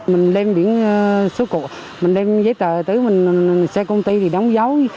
mình đem biển số cục mình đem giấy tờ tới xe công ty thì đóng giấu